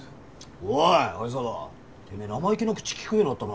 おい愛沢てめぇ生意気な口利くようになったな。